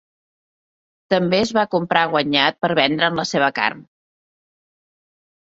També es va comprar guanyat per vendre"n la seva carn.